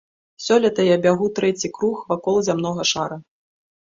Сёлета я бягу трэці круг вакол зямнога шара.